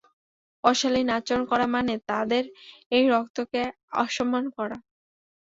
অশালীন আচরণ করা মানে তাদের এই রক্তকে অসম্মান করা।